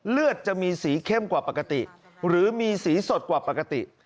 เลือดจะมีสีเข้มกว่าปกติหรือมีสีสดกว่าปกติ